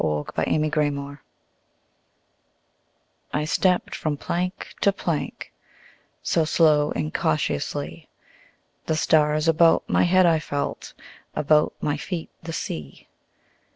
Part One: Life CXXXVI I STEPPED from plank to plankSo slow and cautiously; The stars about my head I felt, About my feet the sea.